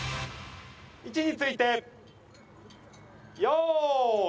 位置について用意。